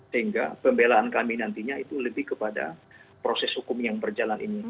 sehingga pembelaan kami nantinya itu lebih kepada proses hukum yang berjalan ini